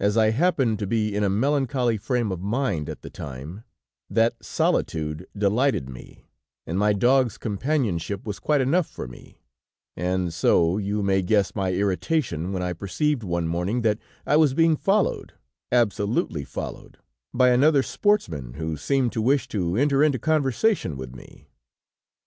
"As I happened to be in a melancholy frame of mind at the time, that solitude delighted me, and my dog's companionship was quite enough for me, and so you may guess my irritation when I perceived one morning that I was being followed, absolutely followed, by another sportsman who seemed to wish to enter into conversation with me.